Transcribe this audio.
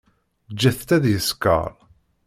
Ǧǧet-tt ad yeskeṛ.